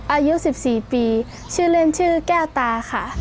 อายุ๑๔ปีชื่อเล่นชื่อแก้วตาค่ะ